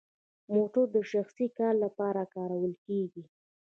موټر د شخصي کار لپاره کارول کیږي؟